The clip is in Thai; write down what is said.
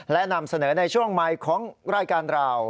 และนำเสนอในช่วงใหม่ของรายการเรา